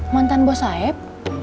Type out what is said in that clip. mantan buah sayap